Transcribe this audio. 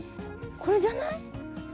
これじゃない？